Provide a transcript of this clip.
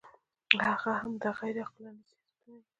هغه همدا غیر عقلاني سیاستونه دي.